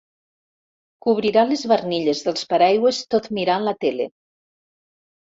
Cobrirà les barnilles dels paraigües tot mirant la tele.